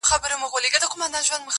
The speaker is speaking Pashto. o پر ښو تلوار، پر بدو ځنډ!